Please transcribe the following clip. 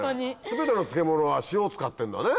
全ての漬物は塩使ってんだね。